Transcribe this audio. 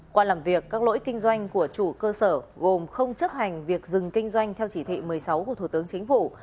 qua làm việc các lỗi kinh doanh của chủ cơ sở gồm không chấp hành việc dừng kinh doanh theo chỉ thị một mươi sáu của thủ tướng chính phủ